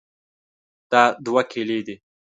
دا دوه کیلې دي.